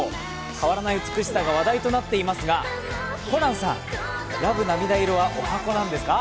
変わらない美しさが話題となっていますがホランさん、「ＬＯＶＥ涙色」は十八番なんですか？